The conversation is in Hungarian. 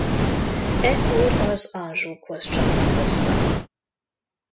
Ekkor az Anjoukhoz csatlakoztak.